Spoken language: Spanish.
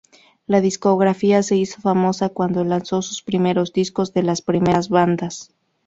La discográfica se hizo famosa cuando lanzó sus primeros discos de las primeras bandas.